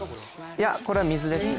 いや、これは水ですね。